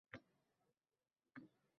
va bir tashnalikka ehtiyojim bor.